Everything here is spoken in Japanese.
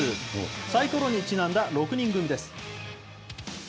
さいころにちなんだ６人組です。